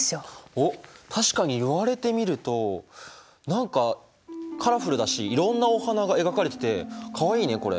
おっ確かに言われてみると何かカラフルだしいろんなお花が描かれててかわいいねこれ。